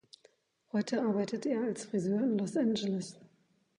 Heute arbeitet er als Friseur in Los Angeles.